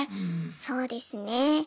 そうですね。